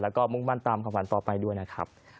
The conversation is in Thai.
แล้วก็มุ่งมั่นตามความฝันต่อไปด้วยนะครับ